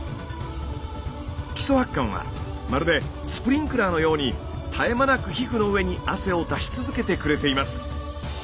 基礎発汗はまるでスプリンクラーのように絶え間なく皮膚の上に汗を出し続けてくれています。